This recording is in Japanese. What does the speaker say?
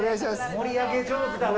盛り上げ上手だな。